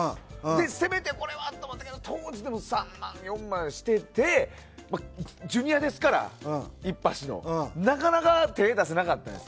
せめてこれはと思ったけど当時でも３万、４万してていっぱしのＪｒ．ですからなかなか手出せなかったんです。